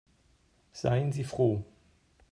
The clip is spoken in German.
Seien Sie froh.